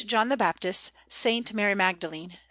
John the Baptist, S. Mary Magdalene, S.